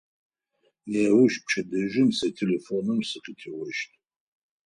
Неущ, пчэдыжьым, сэ телефоным сыкъытеощт.